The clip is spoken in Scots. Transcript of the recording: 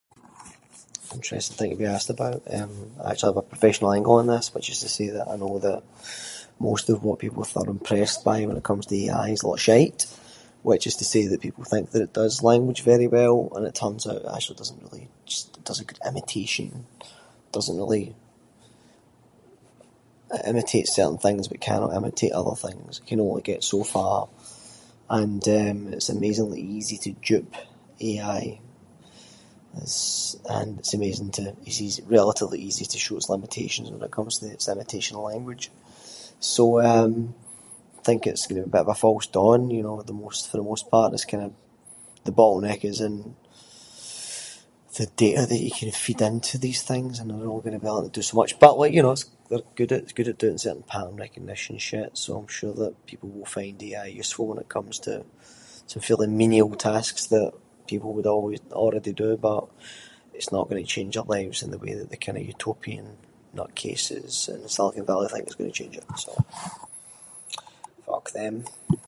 What an interesting thing to be asked about. I actually have a professional angle on this, which is to say that I know that most of what people are impressed by when it comes to AI is a lot of shite. Which is to say that people think that it does language very well, and it turns out it actually doesn’t really, it just does a good imitation. It doesn’t really- it imitates certain things, but it cannot imitate other things, it can only get so far. And, eh, it’s amazingly easy to dupe AI, and it’s- it’s amazing to- it’s easy- relatively easy to show its limitations when it comes to its imitation of language. So eh, think it’s going to be a bit of a false dawn you know with the mos- for the most part, it’s kind of- the bottle neck is in the data that you can feed into these things, and they’re only going to be able to do so much. But like you know, they’re good at- it’s good at doing certain pattern recognition shit, so I’m sure that people will find AI useful when it comes to fulfilling menial tasks that people would always- already do, but it’s not going to change our lives in the way that the kind of utopian nutcases in the Silicon Valley think it’s going to change it. So, fuck them.